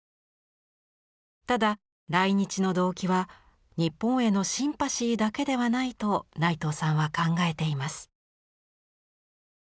ただ来日の動機は日本へのシンパシーだけではないと内藤さんは考えています。